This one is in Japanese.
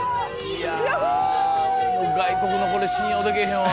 外国のこれ信用でけへんわ。